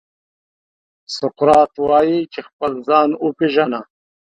سقراط وايي چې خپل ځان وپېژنه.